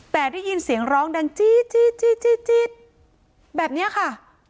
แต่ได้ยินเสียงร้องดังจี๊ดแบบนี้ค่ะ